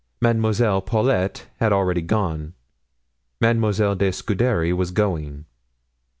Mademoiselle Paulet had already gone; Mademoiselle de Scudery was going.